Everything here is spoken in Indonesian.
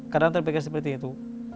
kadang terpikir seperti itu